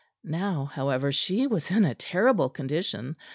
Now, however, she was in a terrible condition.